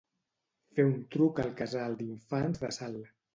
Fer un truc al casal d'infants de Salt.